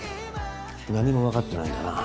何もわかってないんだな。